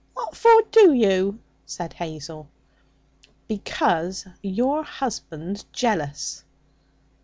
What for do you?' said Hazel. 'Because you're husband's jealous.'